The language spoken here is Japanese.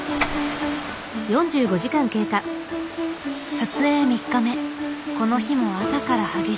撮影３日目この日も朝から激しい雨。